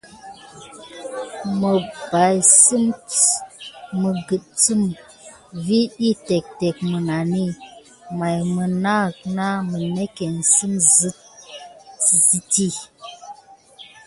Məpbassitsəm migilmə vi ɗyi téctéc naməŋ, may mənatə nannéckéne sit zitti.